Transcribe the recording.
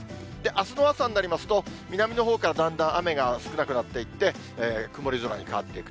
あすの朝になりますと、南のほうからだんだん雨が少なくなっていって、曇り空に変わっていく。